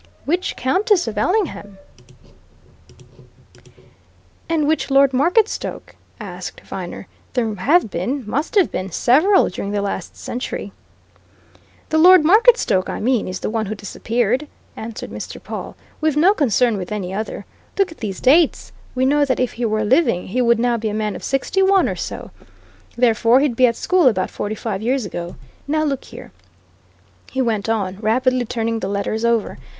"Which Countess of Ellingham, and which Lord Marketstoke?" asked Viner. "There have been must have been several during the last century." "The Lord Marketstoke I mean is the one who disappeared," answered Mr. Pawle. "We've no concern with any other. Look at these dates! We know that if he were living, he would now be a man of sixty one or so; therefore, he'd be at school about forty five years ago. Now, look here," he went on, rapidly turning the letters over.